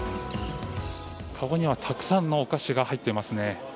かごにはたくさんのお菓子が入っていますね。